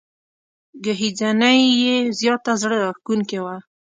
ګهیځنۍ یې زياته زړه راښکونکې وه.